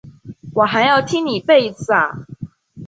我还要听你背一次啊？